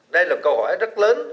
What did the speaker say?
đây là câu hỏi rất lớn